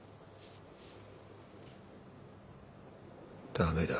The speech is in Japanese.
駄目だ。